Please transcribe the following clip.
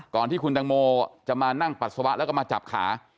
ก่อนที่คุณตังโมจะมานั่งปัสสาวะแล้วก็มาจับขา